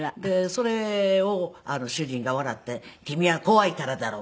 それを主人が笑って「君は怖いからだろう。